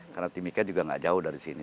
karena timika juga gak jauh dari sini